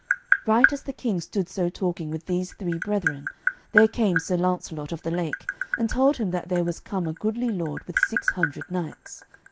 Right as the King stood so talking with these three brethren there came Sir Launcelot of the Lake and told him that there was come a goodly lord with six hundred knights.